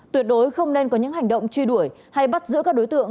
tuyệt đối không nên có những hành động truy đuổi hay bắt giữ các đối tượng